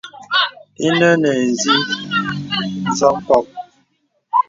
Ìnə nə̀ inzì nzo mpɔk.